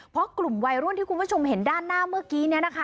เพราะกลุ่มไวร่วนที่คุณผู้ชมเห็นด้านหน้าเมื่อกี้